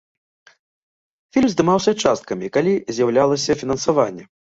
Фільм здымаўся часткамі, калі з'яўлялася фінансаванне.